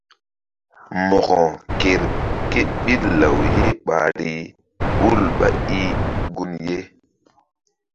Mo̧ko ker ké ɓil law ye ɓahri hul ɓá i gun ye.